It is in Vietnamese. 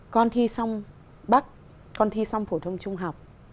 con thi xong bắc con thi xong phổ thông trung học